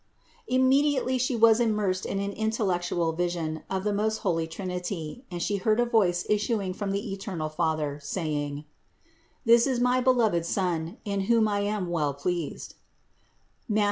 Immediately She was immersed in an intellectual vision of the most holy Trinity and She heard a voice issuing from the eternal Father, saying: "This is my beloved Son, in whom I am well pleased" (Matth.